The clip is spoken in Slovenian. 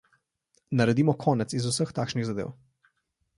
Naredimo konec iz vseh takšnih zadev.